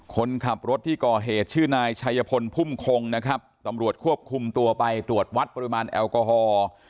คนขับรถที่ก่อเหตุชื่อนายชัยพลพุ่มคงนะครับตำรวจควบคุมตัวไปตรวจวัดปริมาณแอลกอฮอล์